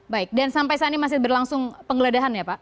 baik dan sampai saat ini masih berlangsung penggeledahan ya pak